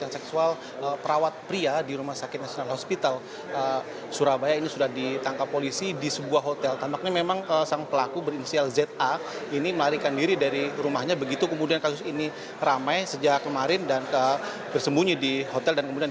selamat siang renat